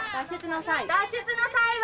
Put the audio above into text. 脱出の際は。